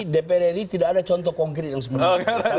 dpr ri tidak ada contoh konkret yang sebenarnya